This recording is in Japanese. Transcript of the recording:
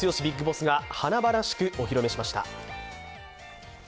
ビッグボスが華々しくお披露目しました。